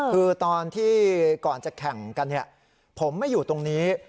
คือตอนที่ก่อนจะแข่งกันผมไม่อยู่ตรงนี้